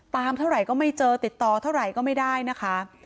เท่าไหร่ก็ไม่เจอติดต่อเท่าไหร่ก็ไม่ได้นะคะ